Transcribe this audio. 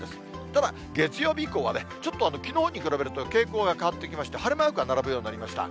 ただ月曜日以降はね、ちょっときのうに比べると、傾向が変わってきまして、晴れマークが並ぶようになりました。